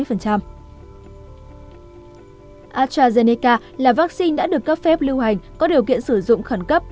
astrazeneca là vaccine đã được cấp phép lưu hành có điều kiện sử dụng khẩn cấp